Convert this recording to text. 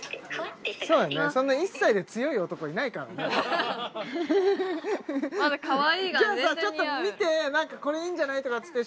そんな１歳で強い男いないからねまだかわいいが全然似合うじゃあさちょっと見てこれいいんじゃないとかっつって